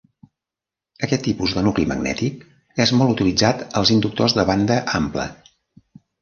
Aquest tipus de nucli magnètic és molt utilitzat als inductors de banda ampla.